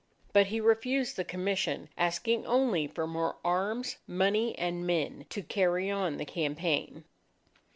But he refused the commission, asking only for more arms, money, and men, to carry on the campaign.